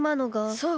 そう！